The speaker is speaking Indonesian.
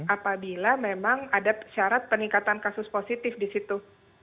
apabila memang ada syarat peningkatan kasus positif di situ